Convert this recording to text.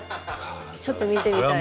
ちょっと見てみたいです。